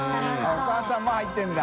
お母さんも入ってるんだ。